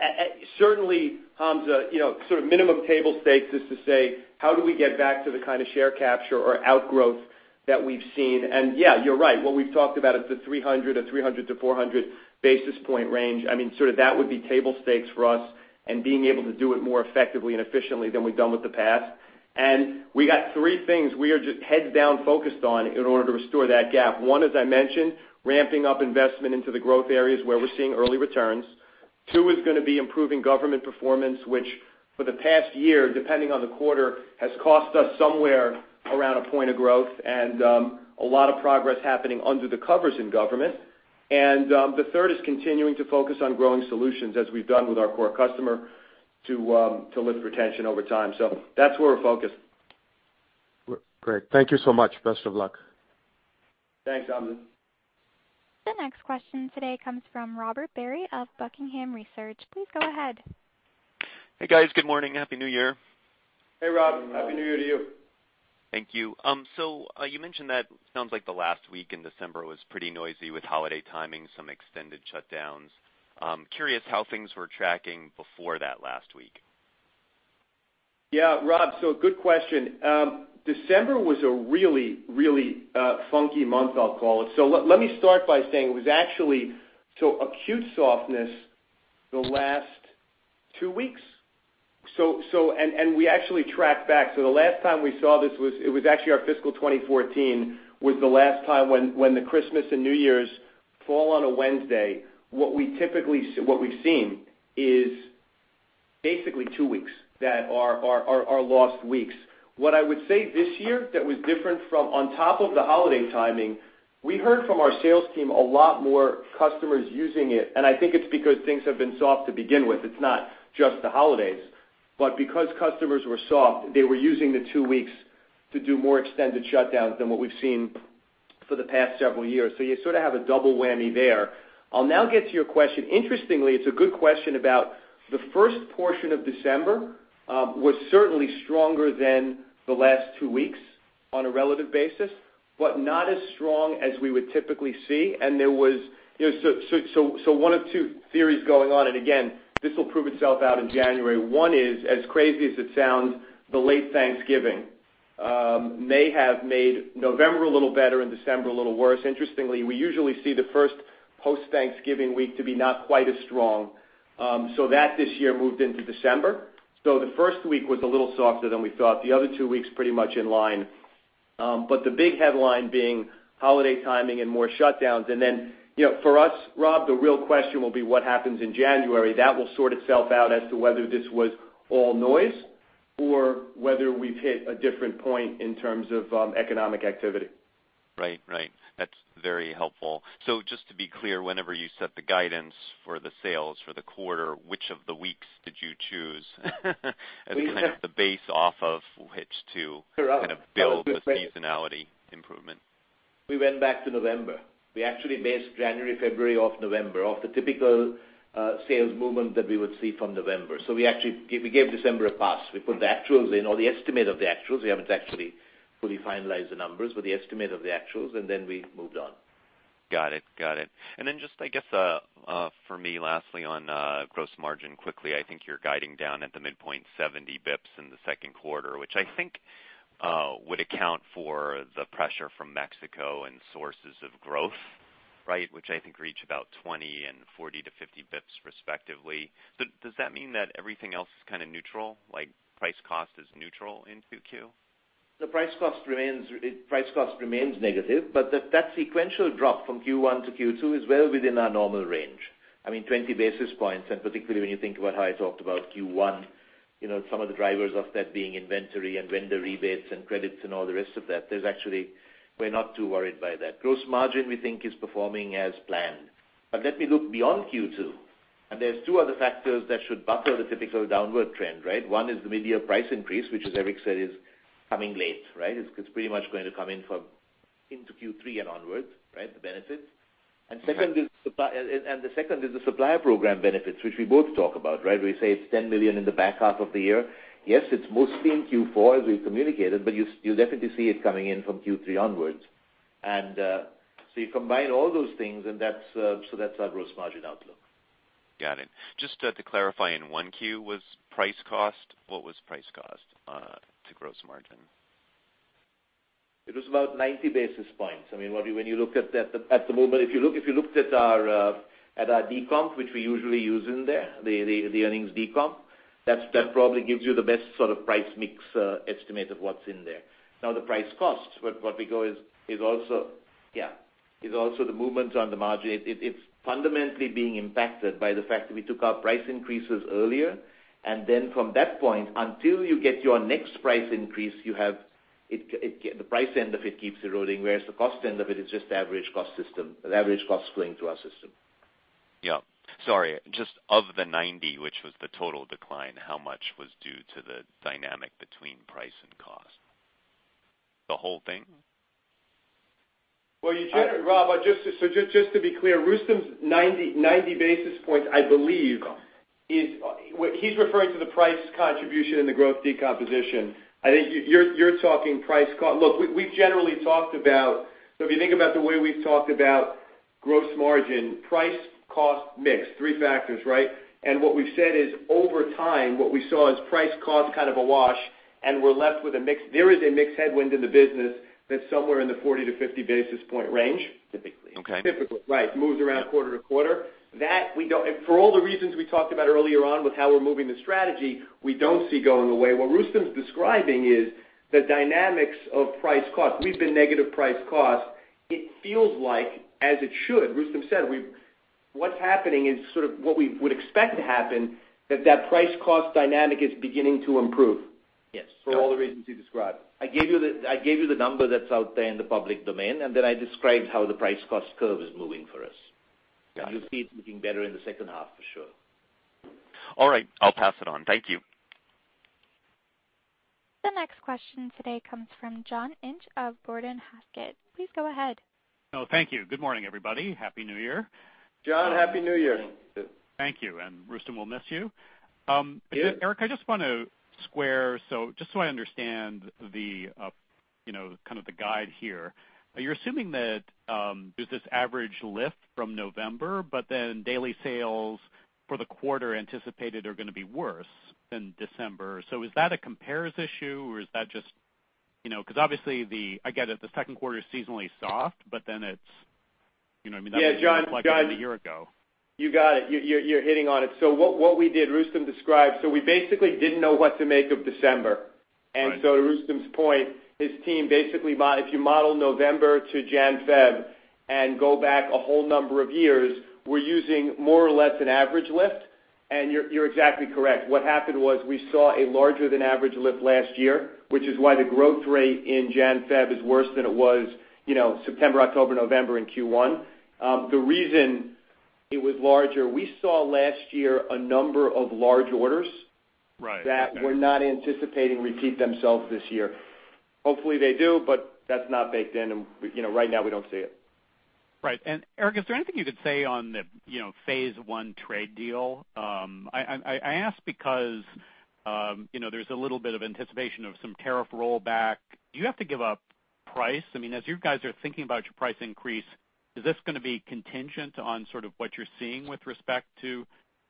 certainly Hamzah, sort of minimum table stakes is to say, how do we get back to the kind of share capture or outgrowth that we've seen? Yeah, you're right. What we've talked about is the 300 or 300 to 400 basis point range. I mean, sort of that would be table stakes for us and being able to do it more effectively and efficiently than we've done with the past. We got three things we are just heads down focused on in order to restore that gap. One, as I mentioned, ramping up investment into the growth areas where we're seeing early returns. Two is going to be improving government performance, which for the past year, depending on the quarter, has cost us somewhere around a point of growth and a lot of progress happening under the covers in government. The third is continuing to focus on growing solutions as we've done with our core customer to lift retention over time. That's where we're focused. Great. Thank you so much. Best of luck. Thanks, Hamzah. The next question today comes from Robert Barry of Buckingham Research. Please go ahead. Hey, guys. Good morning. Happy New Year. Hey, Rob. Happy New Year to you. Thank you. You mentioned that it sounds like the last week in December was pretty noisy with holiday timing, some extended shutdowns. Curious how things were tracking before that last week? Rob, good question. December was a really funky month, I'll call it. Let me start by saying it was actually acute softness the last two weeks. We actually tracked back. The last time we saw this, it was actually our fiscal 2014 was the last time when the Christmas and New Year's fall on a Wednesday. What we've seen is basically two weeks that are lost weeks. What I would say this year that was different from on top of the holiday timing, we heard from our sales team a lot more customers using it, and I think it's because things have been soft to begin with. It's not just the holidays, but because customers were soft, they were using the two weeks to do more extended shutdowns than what we've seen for the past several years. You sort of have a double whammy there. I'll now get to your question. Interestingly, it's a good question about the first portion of December was certainly stronger than the last two weeks on a relative basis, but not as strong as we would typically see. One of two theories going on, and again, this will prove itself out in January. One is, as crazy as it sounds, the late Thanksgiving may have made November a little better and December a little worse. Interestingly, we usually see the first post-Thanksgiving week to be not quite as strong. That this year moved into December. The first week was a little softer than we thought. The other two weeks, pretty much in line. The big headline being holiday timing and more shutdowns. For us, Rob, the real question will be what happens in January. That will sort itself out as to whether this was all noise or whether we've hit a different point in terms of economic activity. Right. That's very helpful. Just to be clear, whenever you set the guidance for the sales for the quarter, which of the weeks did you choose as kind of the base off of which to kind of build the seasonality improvement? We went back to November. We actually based January, February off November, off the typical sales movement that we would see from November. We gave December a pass. We put the actuals in, or the estimate of the actuals. We haven't actually fully finalized the numbers for the estimate of the actuals, and then we moved on. Got it. Then just I guess for me, lastly on gross margin quickly, I think you're guiding down at the midpoint 70 basis points in the second quarter, which I think would account for the pressure from Mexico and sources of growth, right, which I think reach about 20 and 40-50 basis points respectively. Does that mean that everything else is kind of neutral, like price cost is neutral in 2Q? The price cost remains negative, that sequential drop from Q1 to Q2 is well within our normal range. I mean, 20 basis points, and particularly when you think about how I talked about Q1, some of the drivers of that being inventory and vendor rebates and credits and all the rest of that, we're not too worried by that. Gross margin, we think, is performing as planned. Let me look beyond Q2. There's two other factors that should buffer the typical downward trend, right? One is the mid-year price increase, which as Erik said, is coming late, right? It's pretty much going to come in into Q3 and onwards, right, the benefits. The second is the supplier program benefits, which we both talk about, right? We say it's $10 million in the back half of the year. Yes, it's mostly in Q4, as we've communicated, but you'll definitely see it coming in from Q3 onwards. You combine all those things, so that's our gross margin outlook. Got it. Just to clarify, in 1Q was price cost, what was price cost to gross margin? It was about 90 basis points. At the moment, if you looked at our decomp, which we usually use in there, the earnings decomp, that probably gives you the best sort of price mix estimate of what's in there. The price costs, what we go is also, yeah, the movements on the margin. It's fundamentally being impacted by the fact that we took our price increases earlier, from that point until you get your next price increase, the price end of it keeps eroding, whereas the cost end of it is just average cost going through our system. Yeah. Sorry, just of the 90, which was the total decline, how much was due to the dynamic between price and cost? The whole thing? Well, Rob, just to be clear, Rustom's 90 basis points, I believe. Got it. he's referring to the price contribution in the growth decomposition. I think you're talking price cost. Look, if you think about the way we've talked about gross margin, price, cost, mix, three factors, right? What we've said is, over time, what we saw is price, cost kind of a wash, and we're left with a mix. There is a mix headwind in the business that's somewhere in the 40-50 basis point range. Typically. Okay. Typically, right. Moves around quarter to quarter. For all the reasons we talked about earlier on with how we're moving the strategy, we don't see going away. What Rustom's describing is the dynamics of price cost. We've been negative price cost. It feels like, as it should, Rustom said, what's happening is sort of what we would expect to happen, that price cost dynamic is beginning to improve. Yes. For all the reasons you described. I gave you the number that's out there in the public domain, and then I described how the price cost curve is moving for us. Got it. You'll see it looking better in the second half for sure. All right, I'll pass it on. Thank you. The next question today comes from John Inch of Gordon Haskett. Please go ahead. Oh, thank you. Good morning, everybody. Happy New Year. John, Happy New Year. Happy New Year. Thank you. Rustom, we'll miss you. Yeah. Erik, I just want to square, just so I understand the kind of the guide here. You're assuming that there's this average lift from November, but then daily sales for the quarter anticipated are going to be worse than December. Is that a compares issue or is that just Because obviously, I get it, the second quarter is seasonally soft? Yeah, John like a year ago. You got it. You're hitting on it. What we did, Rustom described, so we basically didn't know what to make of December. Right. To Rustom's point, his team basically, if you model November to Jan, Feb, and go back a whole number of years, we're using more or less an average lift, and you're exactly correct. What happened was we saw a larger than average lift last year, which is why the growth rate in Jan, Feb is worse than it was September, October, November in Q1. The reason it was larger, we saw last year a number of large orders. Right. Okay. that we're not anticipating repeat themselves this year. Hopefully, they do, but that's not baked in, and right now we don't see it. Right. Erik, is there anything you could say on the phase one trade deal? I ask because there's a little bit of anticipation of some tariff rollback. Do you have to give up price? As you guys are thinking about your price increase, is this going to be contingent on sort of what you're seeing with respect to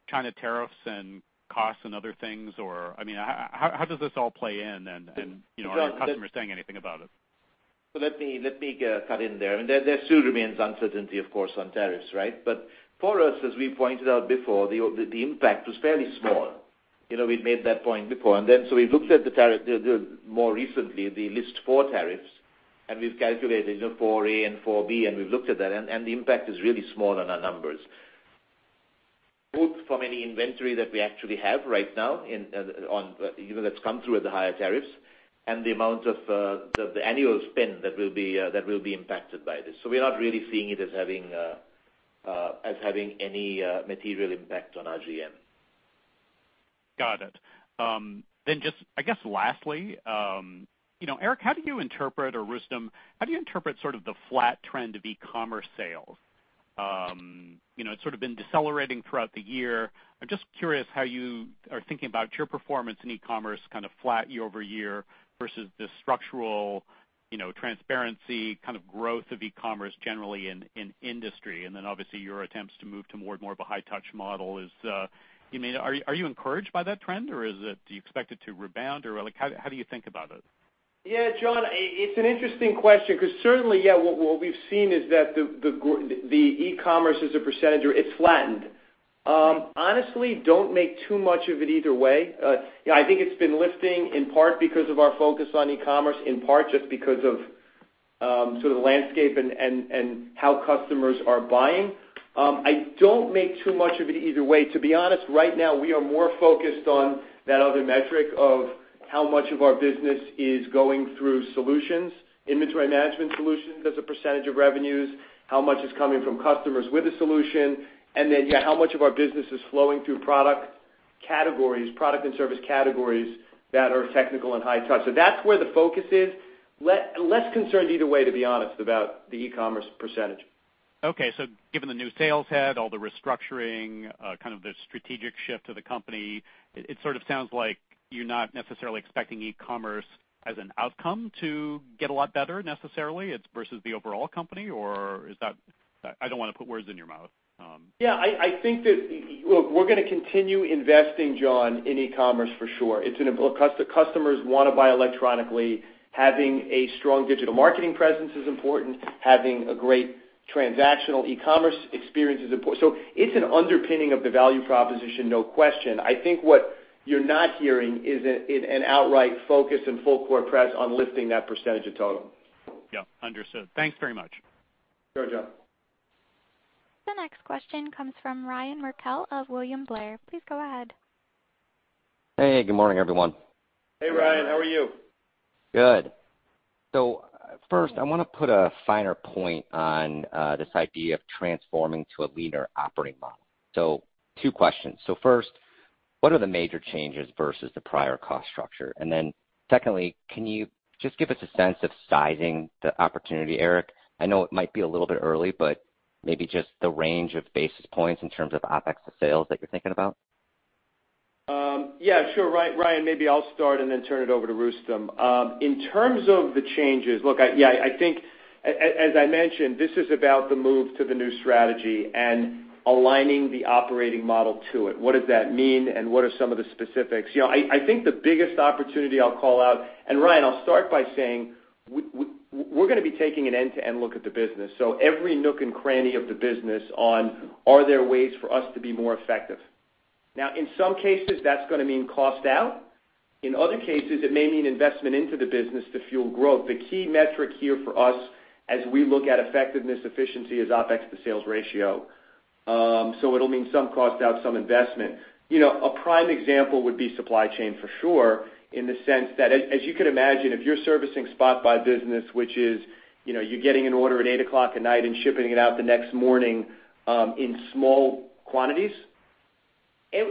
China tariffs and costs and other things, or, how does this all play in? John. Are your customers saying anything about it? Let me cut in there. There still remains uncertainty, of course, on tariffs, right? For us, as we pointed out before, the impact was fairly small. We'd made that point before, we looked at the tariff more recently, the List 4 tariffs. We've calculated 4 A and 4 B, we've looked at that, and the impact is really small on our numbers. Both from any inventory that we actually have right now that's come through at the higher tariffs, and the amount of the annual spend that will be impacted by this. We are not really seeing it as having any material impact on our GM. Got it. Just I guess lastly, Erik, how do you interpret, or Rustom, how do you interpret sort of the flat trend of e-commerce sales? It's sort of been decelerating throughout the year. I'm just curious how you are thinking about your performance in e-commerce, kind of flat year-over-year, versus the structural transparency kind of growth of e-commerce generally in industry. Obviously, your attempts to move toward more of a high touch model, are you encouraged by that trend or do you expect it to rebound or how do you think about it? Yeah, John, it's an interesting question because certainly, what we've seen is that the e-commerce as a %, it's flattened. Right. Honestly, don't make too much of it either way. Yeah, I think it's been lifting in part because of our focus on e-commerce, in part just because of sort of the landscape and how customers are buying. I don't make too much of it either way. To be honest, right now we are more focused on that other metric of how much of our business is going through solutions, inventory management solutions as a percentage of revenues, how much is coming from customers with a solution, and then, yeah, how much of our business is flowing through product categories, product and service categories that are technical and high touch. That's where the focus is. Less concerned either way, to be honest, about the e-commerce percentage. Okay, given the new sales head, all the restructuring, kind of the strategic shift to the company, it sort of sounds like you're not necessarily expecting e-commerce as an outcome to get a lot better necessarily versus the overall company, or is that I don't want to put words in your mouth? Yeah, I think that, look, we're going to continue investing, John, in e-commerce for sure. If the customers want to buy electronically, having a strong digital marketing presence is important, having a great transactional e-commerce experience is important. It's an underpinning of the value proposition, no question. I think what you're not hearing is an outright focus and full court press on lifting that percentage of total. Yeah, understood. Thanks very much. Sure, John. The next question comes from Ryan Merkel of William Blair. Please go ahead. Hey, good morning, everyone. Hey, Ryan. How are you? Good. First, I want to put a finer point on this idea of transforming to a leaner operating model. Two questions. First, what are the major changes versus the prior cost structure? Then secondly, can you just give us a sense of sizing the opportunity, Erik? I know it might be a little bit early, but maybe just the range of basis points in terms of OpEx to sales that you're thinking about. Yeah, sure. Ryan, maybe I'll start and then turn it over to Rustom. In terms of the changes, look, yeah, I think, as I mentioned, this is about the move to the new strategy and aligning the operating model to it. What does that mean and what are some of the specifics? I think the biggest opportunity I'll call out, and Ryan, I'll start by saying we're going to be taking an end-to-end look at the business. Every nook and cranny of the business on are there ways for us to be more effective? Now, in some cases, that's going to mean cost out. In other cases, it may mean investment into the business to fuel growth. The key metric here for us as we look at effectiveness efficiency is OpEx to sales ratio. It'll mean some cost out, some investment. A prime example would be supply chain for sure, in the sense that as you could imagine, if you're servicing spot buy business, which is you're getting an order at 8:00 at night and shipping it out the next morning in small quantities.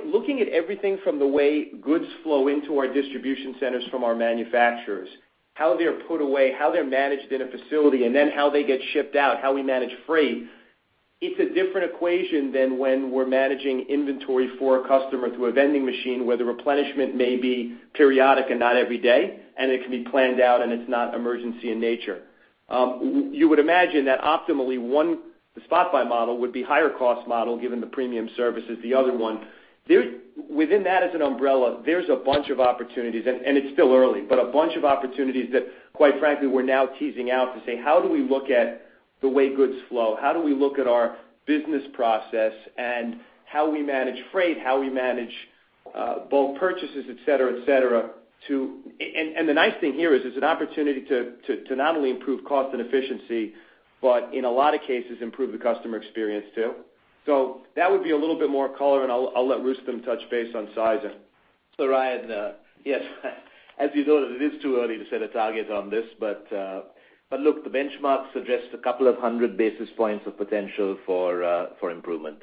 Looking at everything from the way goods flow into our distribution centers from our manufacturers, how they're put away, how they're managed in a facility, and then how they get shipped out, how we manage freight. It's a different equation than when we're managing inventory for a customer through a vending machine where the replenishment may be periodic and not every day, and it can be planned out, and it's not emergency in nature. You would imagine that optimally, one, the spot buy model would be higher cost model given the premium services, the other one. Within that as an umbrella, there's a bunch of opportunities, and it's still early, but a bunch of opportunities that, quite frankly, we're now teasing out to say, how do we look at the way goods flow? How do we look at our business process and how we manage freight, how we manage bulk purchases, et cetera. The nice thing here is it's an opportunity to not only improve cost and efficiency, but in a lot of cases, improve the customer experience too. That would be a little bit more color, and I'll let Rustom touch base on sizing. Ryan, yes, as you know, it is too early to set a target on this, but look, the benchmarks suggest 200 basis points of potential for improvement.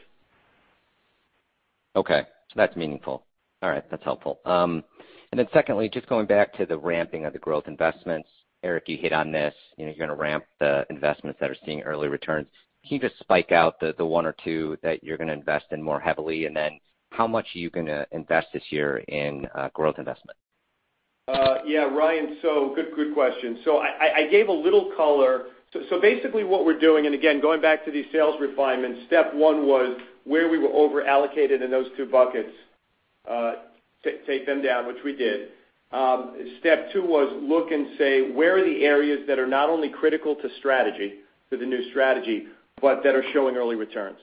Okay. That's meaningful. All right. That's helpful. Secondly, just going back to the ramping of the growth investments. Erik, you hit on this. You're going to ramp the investments that are seeing early returns. Can you just spike out the one or two that you're going to invest in more heavily? How much are you going to invest this year in growth investment? Yeah, Ryan. Good question. I gave a little color. Basically what we're doing, and again, going back to these sales refinements, step 1 was where we were over-allocated in those two buckets, take them down, which we did. Step 2 was look and say, where are the areas that are not only critical to strategy, to the new strategy, but that are showing early returns.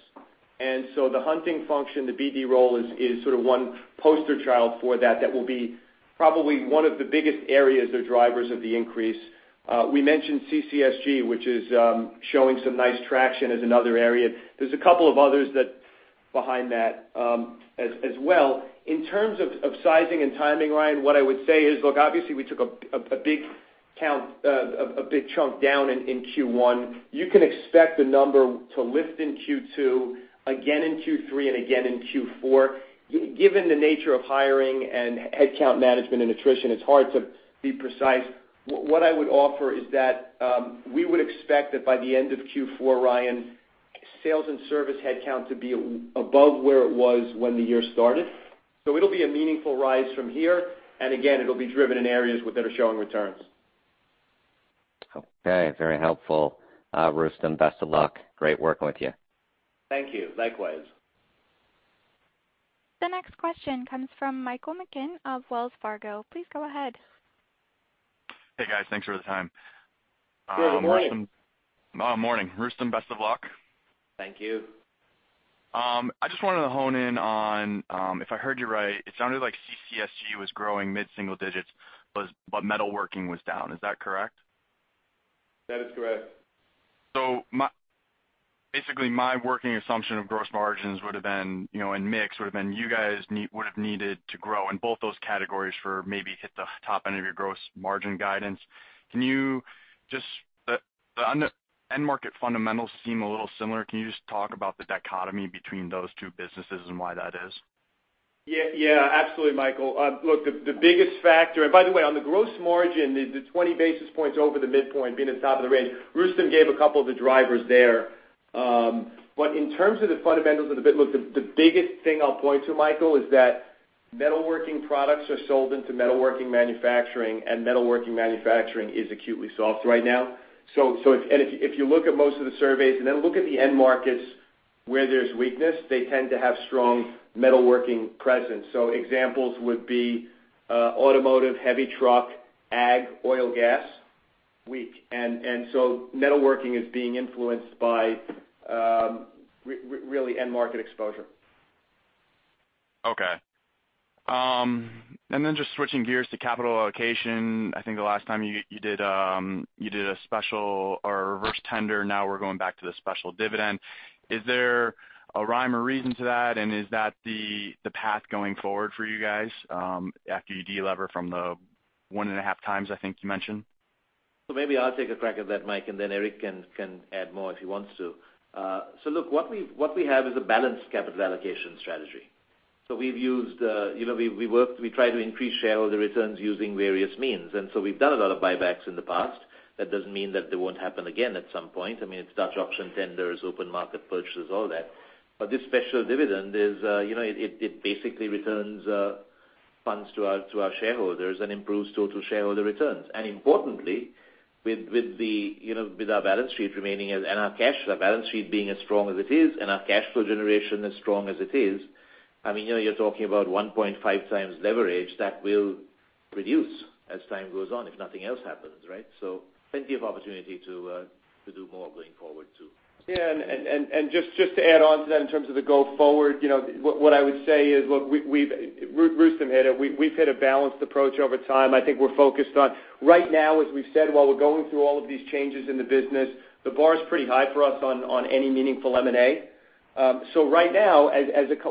The hunting function, the BD role is sort of one poster child for that will be probably one of the biggest areas or drivers of the increase. We mentioned CCSG, which is showing some nice traction as another area. There's a couple of others behind that as well. In terms of sizing and timing, Ryan, what I would say is, look, obviously we took a big chunk down in Q1. You can expect the number to lift in Q2, again in Q3, and again in Q4. Given the nature of hiring and headcount management and attrition, it's hard to be precise. What I would offer is that we would expect that by the end of Q4, Ryan, sales and service headcount to be above where it was when the year started. It'll be a meaningful rise from here. Again, it'll be driven in areas that are showing returns. Okay. Very helpful. Rustom, best of luck. Great working with you. Thank you. Likewise. The next question comes from Michael McGinn of Wells Fargo. Please go ahead. Hey, guys. Thanks for the time. Good morning. Morning. Rustom, best of luck. Thank you. I just wanted to hone in on, if I heard you right, it sounded like CCSG was growing mid-single digits, but metalworking was down. Is that correct? That is correct. Basically my working assumption of gross margins would've been, and mix would've been you guys would've needed to grow in both those categories for maybe hit the top end of your gross margin guidance. End market fundamentals seem a little similar. Can you just talk about the dichotomy between those two businesses and why that is? Yeah. Absolutely, Michael. By the way, on the gross margin, the 20 basis points over the midpoint being the top of the range, Rustom gave a couple of the drivers there. In terms of the fundamentals of the bit, look, the biggest thing I'll point to, Michael, is that metalworking products are sold into metalworking manufacturing. Metalworking manufacturing is acutely soft right now. If you look at most of the surveys and then look at the end markets where there's weakness, they tend to have strong metalworking presence. Examples would be automotive, heavy truck, ag, oil, gas, weak. Metalworking is being influenced by really end market exposure. Okay. Just switching gears to capital allocation. I think the last time you did a special or a reverse tender. Now we're going back to the special dividend. Is there a rhyme or reason to that? Is that the path going forward for you guys after you de-lever from the one and a half times I think you mentioned? Maybe I'll take a crack at that, Mike, and then Erik can add more if he wants to. Look, what we have is a balanced capital allocation strategy. We try to increase shareholder returns using various means, and so we've done a lot of buybacks in the past. That doesn't mean that they won't happen again at some point. It's Dutch auction tenders, open market purchases, all that. This special dividend, it basically returns funds to our shareholders and improves total shareholder returns. Importantly, with our balance sheet remaining and our cash, our balance sheet being as strong as it is, and our cash flow generation as strong as it is, you're talking about 1.5 times leverage that will reduce as time goes on if nothing else happens, right? Plenty of opportunity to do more going forward, too. Just to add on to that in terms of the go forward, what I would say is, look, Rustom hit it. We've hit a balanced approach over time. I think we're focused on right now, as we've said, while we're going through all of these changes in the business, the bar is pretty high for us on any meaningful M&A. Right now,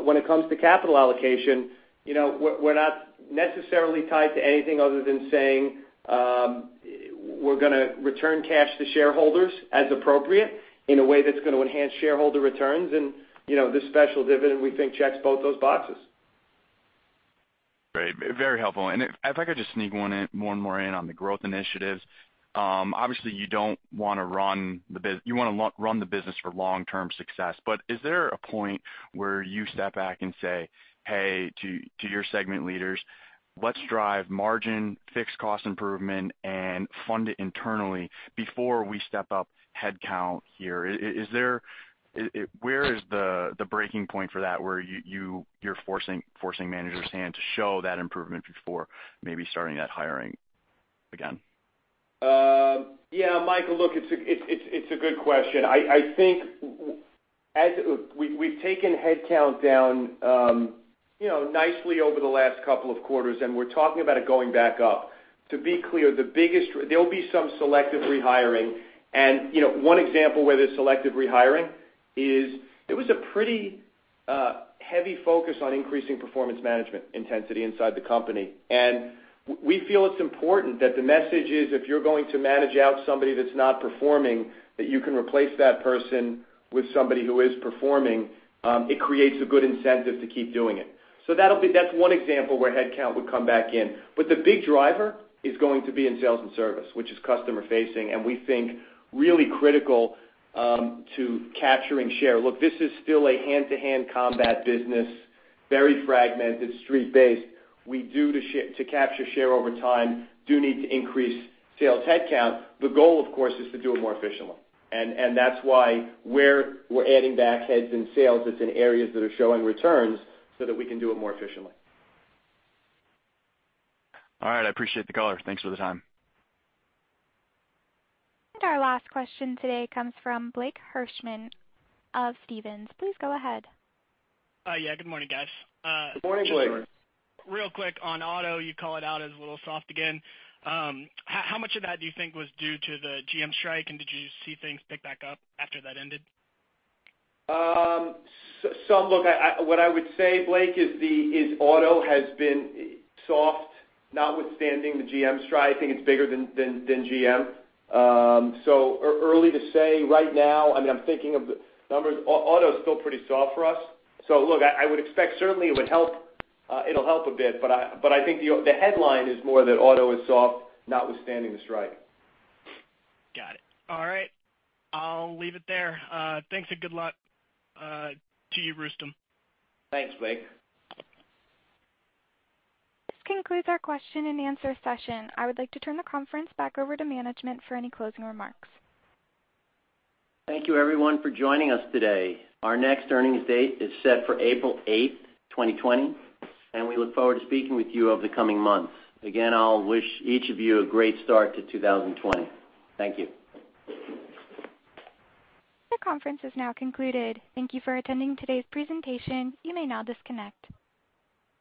when it comes to capital allocation, we're not necessarily tied to anything other than saying we're going to return cash to shareholders as appropriate in a way that's going to enhance shareholder returns. This special dividend, we think checks both those boxes. Great. Very helpful. If I could just sneak one more in on the growth initiatives. Obviously, you want to run the business for long-term success, but is there a point where you step back and say, "Hey," to your segment leaders, "let's drive margin, fixed cost improvement, and fund it internally before we step up headcount here." Where is the breaking point for that where you're forcing managers' hand to show that improvement before maybe starting that hiring again? Yeah, Michael, look, it's a good question. I think we've taken headcount down nicely over the last couple of quarters, and we're talking about it going back up. To be clear, there'll be some selective rehiring. One example where there's selective rehiring is it was a pretty heavy focus on increasing performance management intensity inside the company. We feel it's important that the message is, if you're going to manage out somebody that's not performing, that you can replace that person with somebody who is performing. It creates a good incentive to keep doing it. That's one example where headcount would come back in. The big driver is going to be in sales and service, which is customer facing, and we think really critical to capturing share. Look, this is still a hand-to-hand combat business, very fragmented, street-based. We do to capture share over time, do need to increase sales headcount. The goal, of course, is to do it more efficiently. That's why where we're adding backheads in sales, it's in areas that are showing returns so that we can do it more efficiently. All right. I appreciate the color. Thanks for the time. Our last question today comes from Blake Hirschman of Stephens. Please go ahead. Yeah, good morning, guys. Good morning, Blake. Real quick on auto, you call it out as a little soft again. How much of that do you think was due to the GM strike, and did you see things pick back up after that ended? Look, what I would say, Blake, is auto has been soft notwithstanding the GM strike. I think it's bigger than GM. Early to say right now, I'm thinking of the numbers. Auto is still pretty soft for us. Look, I would expect certainly it'll help a bit, but I think the headline is more that auto is soft notwithstanding the strike. Got it. All right. I'll leave it there. Thanks, and good luck to you, Rustom. Thanks, Blake. This concludes our question and answer session. I would like to turn the conference back over to management for any closing remarks. Thank you everyone for joining us today. Our next earnings date is set for April 8th, 2020, and we look forward to speaking with you over the coming months. Again, I'll wish each of you a great start to 2020. Thank you. The conference is now concluded. Thank you for attending today's presentation. You may now disconnect.